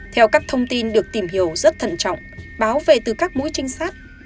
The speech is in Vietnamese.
theo các thông tin được tìm hiểu rất thân trọng báo về từ các mũi trinh sát